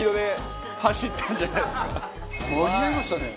間に合いましたね。